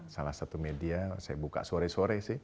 salah satu media saya buka sore sore sih